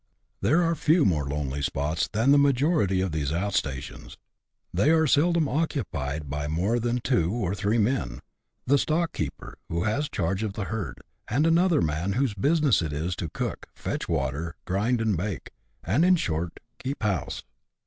17 There are few more lonely spots than the majority of these out stations ; they are seldom occupied by more than two or three men — the stock keeper, who has charge of the herd, and another man, whose business it is to cook, fetch water, grind and bake, and, in short, keep house.